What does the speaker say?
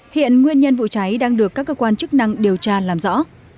hiện nguyên nhân vụ cháy đang được các cơ quan chức năng điều tra làm rõ